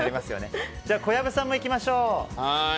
小籔さんもいきましょう。